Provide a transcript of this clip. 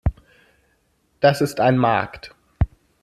Das ist ein Markt.